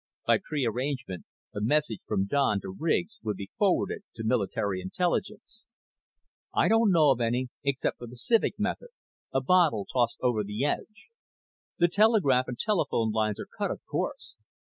By prearrangement, a message from Don to Riggs would be forwarded to Military Intelligence. "I don't know of any, except for the Civek method a bottle tossed over the edge. The telegraph and telephone lines are cut, of course.